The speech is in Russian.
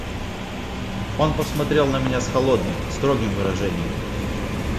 Он посмотрел на меня с холодным, строгим выражением.